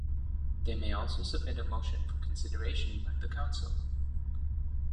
They may also submit a motion for consideration by the Council.